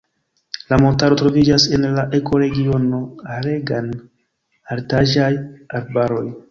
La montaro troviĝas en la ekoregiono alegan-altaĵaj arbaroj.